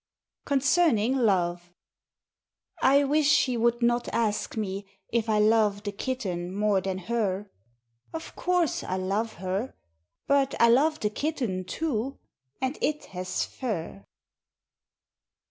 Concerning Love I wish she would not ask me if I love the Kitten more than her. Of Course I love her. But I love the Kitten, too; and It has Fur.